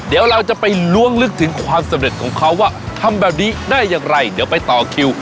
เดี๋ยวเราจะไปล้วงลึกถึงความสำเร็จของเขาว่าทำแบบนี้ได้อย่างไรเดี๋ยวไปต่อคิว